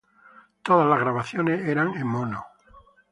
Todas las grabaciones eran en mono.